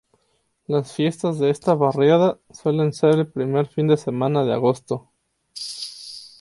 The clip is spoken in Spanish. Las fiestas de esta barriada suelen ser el primer fin de semana de agosto.